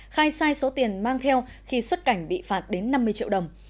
khai sai số tiền mang theo khi xuất cảnh bị phạt đến năm mươi triệu đồng